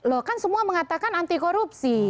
loh kan semua mengatakan anti korupsi